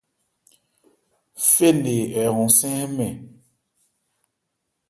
Fé nne hɛ hɔnsɛ́n hɛ́nmɛn.